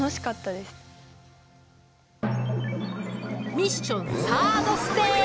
ミッションサードステージ！